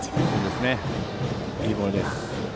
いいボールです。